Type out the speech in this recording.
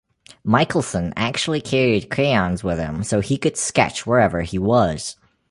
Michelson actually carried crayons with him so he could sketch where ever he was.